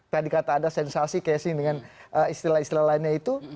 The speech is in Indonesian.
tadi kata anda sensasi kayak sini dengan istilah istilah lainnya itu